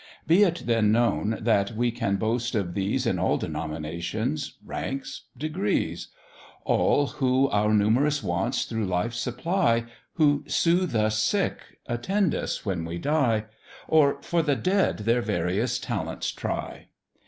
Be it then known that we can boast of these In all denominations, ranks, degrees; All who our numerous wants through life supply, Who soothe us sick, attend us when we die, Or for the dead their various talents try.